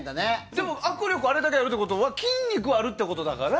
でも握力あれだけあるということは筋肉はあるということだから。